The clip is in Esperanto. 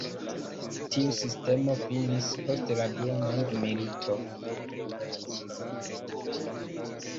Tiu sistemo finis post la Dua Mondmilito.